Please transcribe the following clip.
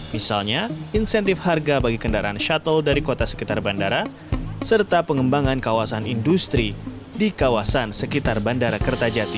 misalnya insentif harga bagi kendaraan shuttle dari kota sekitar bandara serta pengembangan kawasan industri di kawasan sekitar bandara kertajati